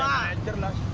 saya pemain juga lah